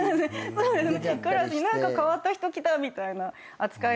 そうですか？